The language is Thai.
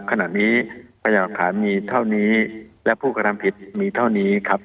ขนาดนี้พยานฐานมีเท่านี้และผู้กำลังผิดมีเท่านี้ครับ